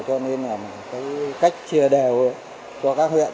cho nên là cái cách chia đều cho các huyện